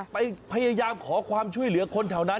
พยายามขอความช่วยเหลือคนแถวนั้น